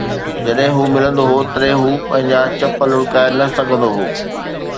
جڏهن هو ملندو هو، تڏهن هو پنهنجا چپ لڙڪائي نه سگهندو هو